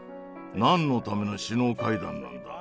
「何のための首脳会談なんだ。